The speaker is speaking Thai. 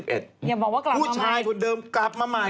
คุณผู้ชายคนเดิมกลับมาใหม่